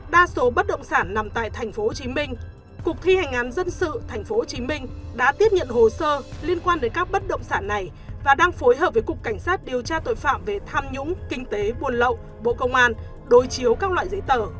đa số bất động sản nằm tại tp hcm cục thi hành án dân sự tp hcm đã tiếp nhận hồ sơ liên quan đến các bất động sản này và đang phối hợp với cục cảnh sát điều tra tội phạm về tham nhũng kinh tế buôn lậu bộ công an đối chiếu các loại giấy tờ